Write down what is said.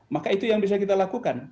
maka itu yang bisa kita lakukan